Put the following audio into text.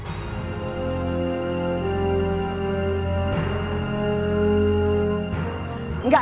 enggak enggak enggak